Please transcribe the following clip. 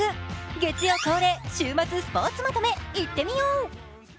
月曜恒例・週末スポーツまとめ、いってみよう。